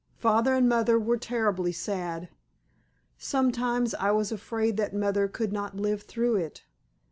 Father and Mother were terribly sad. Sometimes I was afraid that Mother could not live through it.